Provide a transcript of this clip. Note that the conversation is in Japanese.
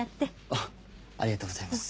ありがとうございます。